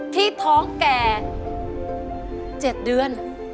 ที่ท้องแก่๗เดือน